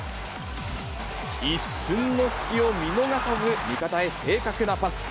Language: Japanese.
一瞬の隙を見逃さず、味方へ正確なパス。